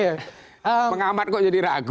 saya tidak ngamat kok jadi ragu